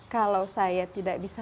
kalau saya tidak bisa